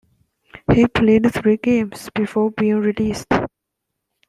He played three games before being released.